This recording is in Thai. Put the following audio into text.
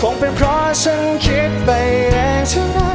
คงเป็นเพราะฉันคิดไปเองทั้งนั้น